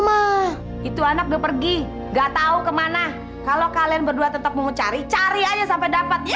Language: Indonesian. mah itu anaknya pergi nggak tau ke mana kalau kalian berdua tetap mau cari cari aja sampai dapat ya